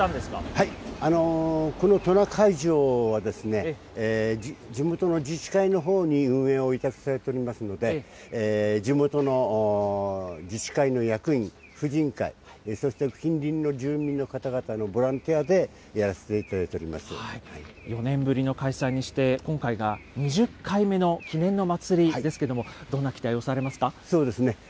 これ、どうやって飾りつけしこの会場は、地元の自治会のほうに運営を委託されておりますので、地元の自治会の役員、婦人会、そして近隣の住民の方々のボランティアでやらせていただい４年ぶりの開催にして、今回が２０回目の記念の祭りですけれども、どんな期待をされますか？